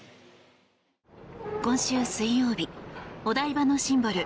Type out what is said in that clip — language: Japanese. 今週水曜日、お台場のシンボル